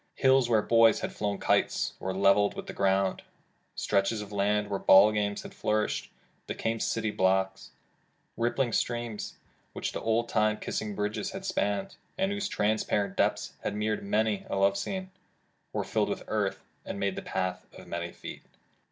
Hills where boys had flown kites were leveled with the ground; stretches of land, where ball games had flourished, became city blocks; rippling streams, which the old time kissing bridges had spanned, and whose transparent depths had mirrored many a love scene, were filled with earth, and made the path of many feet.